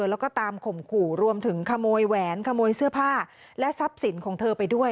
แล้วก็ตามข่มขู่รวมถึงขโมยแหวนขโมยเสื้อผ้าและทรัพย์สินของเธอไปด้วย